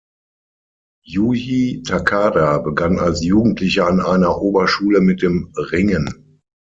Yūji Takada begann als Jugendlicher an einer Oberschule mit dem Ringen.